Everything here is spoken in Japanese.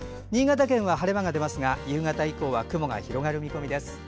新潟県は晴れ間が出ますが夕方以降は雲が広がる見込みです。